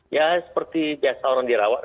ya seperti biasa orang dirawat